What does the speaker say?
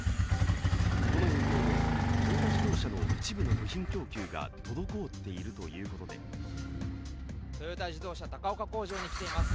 この影響でトヨタ自動車の一部の部品供給が滞っているということでトヨタ自動車、高岡工場に来ています。